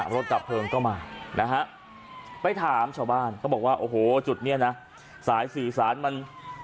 รถดับเพลิงก็มานะฮะไปถามชาวบ้านเขาบอกว่าโอ้โหจุดนี้นะสายสื่อสารมัน